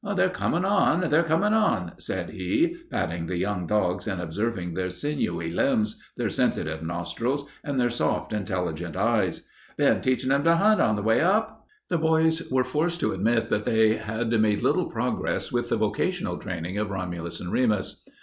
"They're comin' on; they're comin' on," said he, patting the young dogs and observing their sinewy limbs, their sensitive nostrils, and their soft, intelligent eyes. "Been teachin' 'em to hunt on the way up?" The boys were forced to admit that they had made little progress with the vocational training of Romulus and Remus.